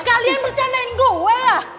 kalian bercandain gua